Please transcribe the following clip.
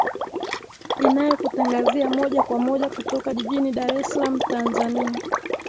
inayokutangazia moja kwa moja kutoka jijini dar es salaam tanzania